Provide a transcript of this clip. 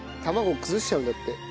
卵崩しちゃうんだって。